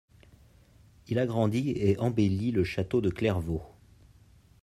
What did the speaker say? Il agrandit et embellit le château de Clairvaux.